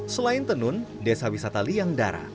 selain tenun desa wisata liangdara